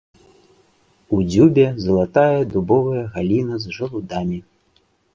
У дзюбе залатая дубовая галіна з жалудамі.